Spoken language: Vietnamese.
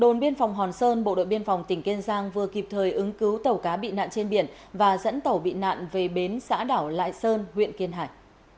đồn biên phòng hòn sơn bộ đội biên phòng tỉnh kiên giang vừa kịp thời ứng cứu tàu cá bị nạn trên biển và dẫn tàu bị nạn về bến xã đảo lại sơn huyện kiên hải